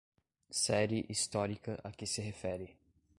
Série histórica a que se refere